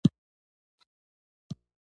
زړورتیا د عمل جرئت ورکوي.